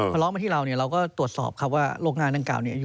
พอร้องมาที่เราเนี่ยเราก็ตรวจสอบครับว่าโรคหน้าดังกล่าวนี้